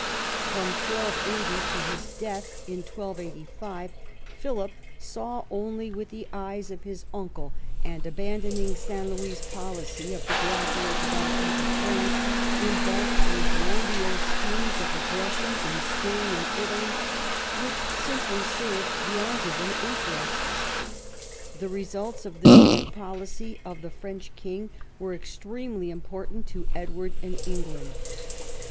From 1280 to his death in 1285 Philip saw only with the eyes of his uncle, and abandoning St. Louis's policy of the gradual development of France, embarked in grandiose schemes of aggression in Spain and Italy, which simply served the Angevin interests. The results of this new policy of the French king were extremely im portant to Edward and England.